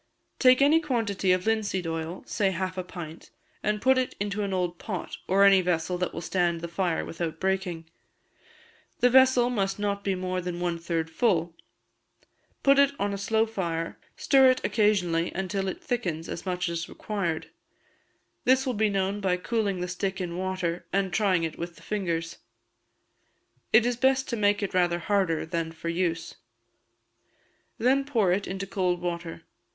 Take any quantity of linseed oil, say half a pint; put it into an old pot, or any vessel that will stand the fire without breaking the vessel must not be more than one third full; put it on a slow fire, stir it occasionally until it thickens as much as required; this will be known by cooling the stick in water, and trying it with the fingers. It is best to make it rather harder than for use. Then pour it into cold water.